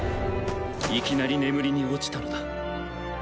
いきなり眠りに落ちたのだ。